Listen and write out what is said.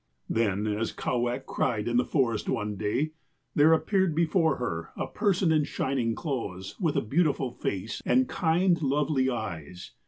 ^' Then, as Ko wak cried in the forest one day, there appeared before her a person in shining clothes, with a beautiful face, and kind, lovely eyes.